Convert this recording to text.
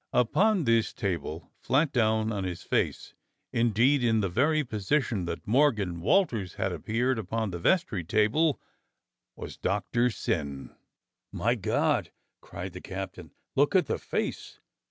Upon this table, flat down on his face, indeed in the very position that Morgan Wal ters had appeared upon the vestry table, was Doctor Syn. "My God!" cried the captain. "Look at the face!"